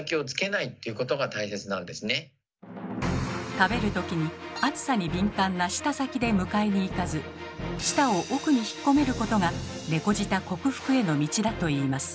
食べる時に熱さに敏感な舌先で迎えにいかず舌を奥に引っ込めることが猫舌克服への道だといいます。